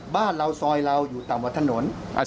บ้านเราซอยเราอยู่ต่ำกว่าถนน